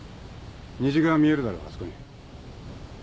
虹が見えるだろあそこに。